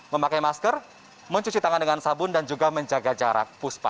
memakai masker mencuci tangan dengan sabun dan juga menjaga jarak puspa